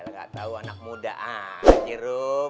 ya lo nggak tau anak muda aja sih rum